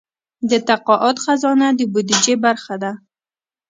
د تقاعد خزانه د بودیجې برخه ده